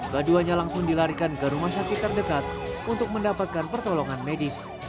keduanya langsung dilarikan ke rumah sakit terdekat untuk mendapatkan pertolongan medis